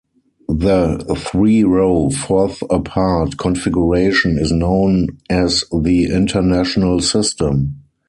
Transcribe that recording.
The three-row fourth-apart configuration is known as the international system.